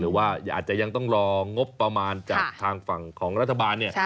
หรือว่าอาจจะยังต้องรองบประมาณจากทางฝั่งของรัฐบาลเนี่ย